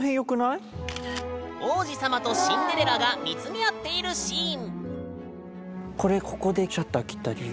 王子様とシンデレラが見つめ合っているシーン。